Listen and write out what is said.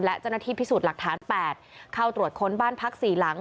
และเจ้าหน้าที่พิสูจน์หลักฐาน๘เข้าตรวจค้นบ้านพัก๔หลัง